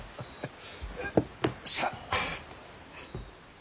さあ。